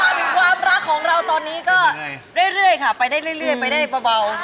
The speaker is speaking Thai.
ถึงความรักของเราตอนนี้ก็เรื่อยค่ะไปได้เรื่อยไปได้เบา